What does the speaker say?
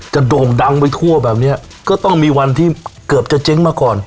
โด่งดังไปทั่วแบบเนี้ยก็ต้องมีวันที่เกือบจะเจ๊งมาก่อน